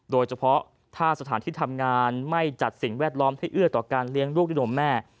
โดยเฉพาะถ้าสถานที่ทำงานไม่จัดสิ่งแวดล้อมให้เอื้อต่อการเลี้ยงลูกด้วยนมแม่